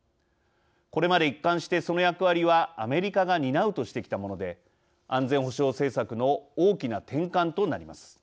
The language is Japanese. これまで一貫してその役割はアメリカが担うとしてきたもので安全保障政策の大きな転換となります。